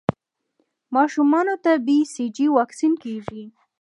ماشومانو ته د بي سي جي واکسین کېږي.